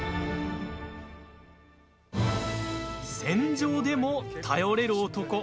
戦場でも頼れる男。